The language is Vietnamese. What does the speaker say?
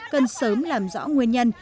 cần sớm làm rõ nguyên nhân